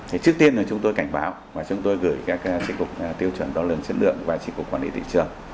thì trước tiên là chúng tôi cảnh báo và chúng tôi gửi các trị cục tiêu chuẩn đo lượng chất lượng và trị cục quản lý thị trường